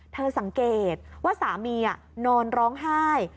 สังเกตว่าสามีนอนร้องไห้